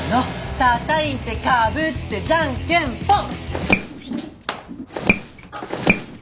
たたいてかぶってじゃんけんぽん！